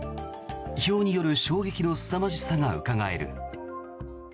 ひょうによる衝撃のすさまじさがうかがえる。